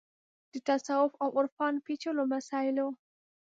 د تصوف او عرفان پېچلو مسایلو